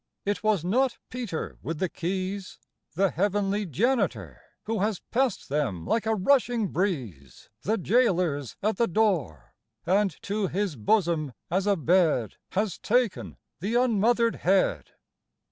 It was not Peter with the keys, The heavenly janitor, Who has passed them like a rushing breeze, The gaolers at the door, And to His bosom as a bed Has taken the unmothered head.